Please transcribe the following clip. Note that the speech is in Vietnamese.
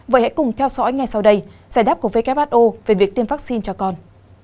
vậy hãy cùng theo dõi ngay sau đây giải đáp của who về việc tiêm vaccine cho con